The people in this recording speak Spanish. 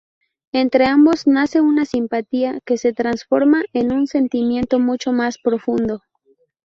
Entre ambos nace una simpatía que se transformará en un sentimiento mucho más profundo.